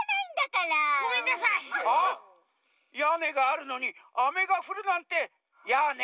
やねがあるのにあめがふるなんてやね。